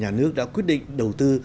nhà nước đã quyết định đầu tư